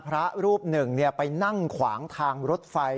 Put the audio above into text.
พระรูปหนึ่งไปนั่งขวางทางรถไฟ